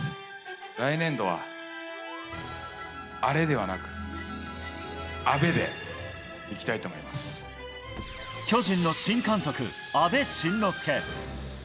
来年度は、アレではなく、巨人の新監督、阿部慎之助。